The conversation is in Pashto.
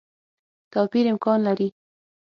توپیر امکان لري.